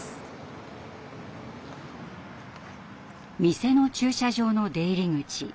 店の駐車場の出入り口。